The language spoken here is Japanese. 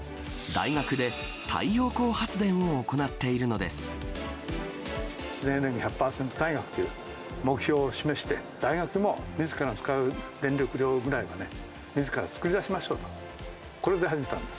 大学という目標を示して、大学もみずから使う電力量ぐらいはね、みずから作り出しましょうと。